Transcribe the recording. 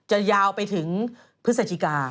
จะยาวไปถึงพฤศจิกา